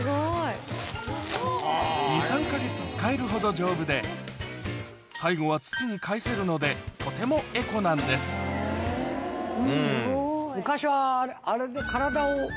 ２３か月使えるほど丈夫で最後は土に返せるのでとてもエコなんです昔はあれで。